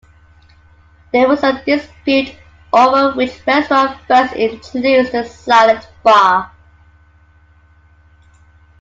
There was a dispute over which restaurant first introduced the salad bar.